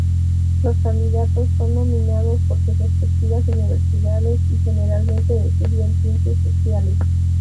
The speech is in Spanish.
Los candidatos son nominados por sus respectivas universidades y generalmente estudian ciencias sociales.